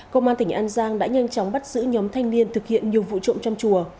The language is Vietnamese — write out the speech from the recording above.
công an tỉnh an giang đã nhanh chóng bắt giữ nhóm thanh niên thực hiện nhiều vụ trộm trong chùa